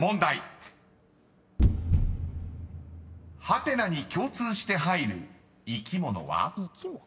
［ハテナに共通して入る生き物は？］